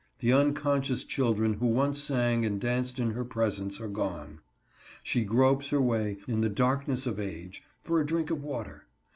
The unconscious children who once sang and danced in her presence are gone. She gropes her way, in the darkness of age, for a drink of water.